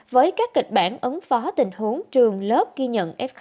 với các kịch bản ứng phó tình huống trường lớp ghi nhận f